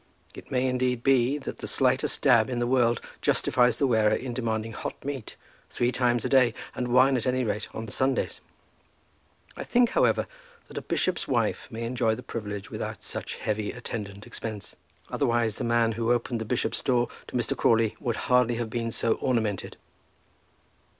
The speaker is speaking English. It may, indeed, be that the slightest dab in the world justifies the wearer in demanding hot meat three times a day, and wine at any rate on Sundays. I think, however, that a bishop's wife may enjoy the privilege without such heavy attendant expense; otherwise the man who opened the bishop's door to Mr. Crawley would hardly have been so ornamented.